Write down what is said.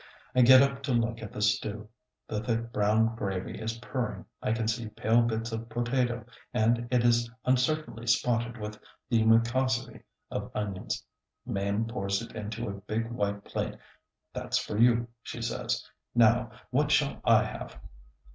I get up to look at the stew. The thick brown gravy is purring. I can see pale bits of potato, and it is uncertainly spotted with the mucosity of onions. Mame pours it into a big white plate. "That's for you," she says; "now, what shall I have?"